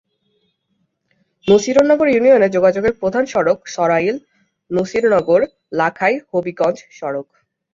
নাসিরনগর ইউনিয়নে যোগাযোগের প্রধান সড়ক সরাইল-নাসিরনগর-লাখাই-হবিগঞ্জ সড়ক।